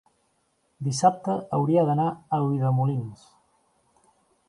dissabte hauria d'anar a Ulldemolins.